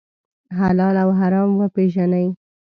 حلال او حرام وپېژنئ.